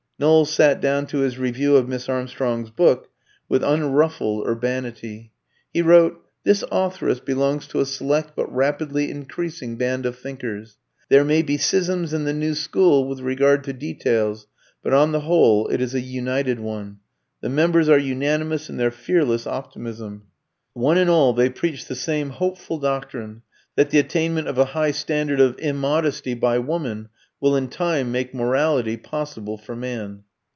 Knowles sat down to his review of Miss Armstrong's book with unruffled urbanity. He wrote: "This authoress belongs to a select but rapidly increasing band of thinkers. There may be schisms in the new school with regard to details, but on the whole it is a united one. The members are unanimous in their fearless optimism. One and all they preach the same hopeful doctrine, that the attainment of a high standard of immodesty by woman will in time make morality possible for man."